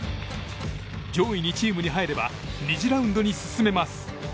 上位２チームに入れば２次ラウンドに進めます。